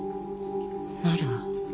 なら。